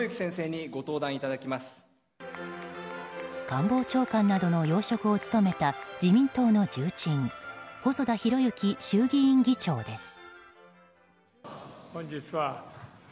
官房長官などの要職を務めた自民党の重鎮細田博之衆議院議長です。